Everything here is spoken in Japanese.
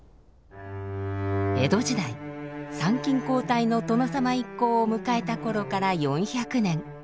江戸時代参勤交代の殿様一行を迎えた頃から４００年。